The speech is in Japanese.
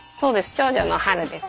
長女の美です。